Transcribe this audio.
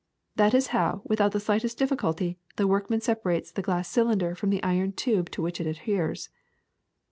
That is how, without the slightest diffi culty, the workman separates the glass cylinder from the iron tube to which it adheres.